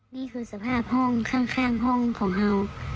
นี่คือสภาพห้องข้างห้องของเฮา